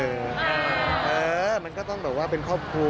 เออมันก็ต้องแบบว่าเป็นครอบครัว